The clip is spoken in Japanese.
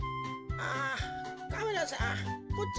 あカメラさんこっちじゃ。